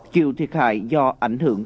chịu thiệt hại do ảnh hưởng